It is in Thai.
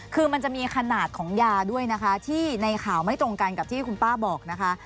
คือมันจะมีขนาดของยาด้วยนะคะที่ในข่าวไม่ตรงกันกับที่คุณป้าบอกนะคะ